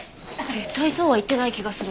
絶対そうは言ってない気がする。